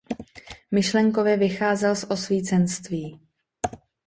Myšlenkově vycházel z osvícenství.